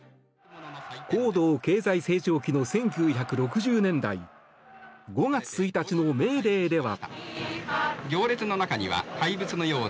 高度経済成長期の１９６０年代５月１日のメーデーでは。